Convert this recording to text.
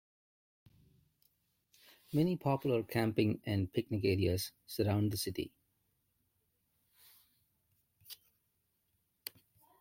Many popular camping and picnic areas surround the city.